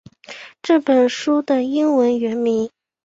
这本书的英文原名